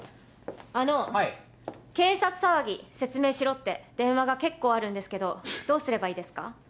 警察騒ぎ説明しろって電話が結構あるんですけどどうすればいいですか？